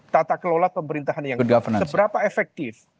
tata kelola pemerintahan yang seberapa efektif